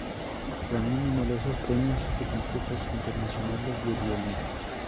Ganó numerosos premios y concursos internacionales de violín.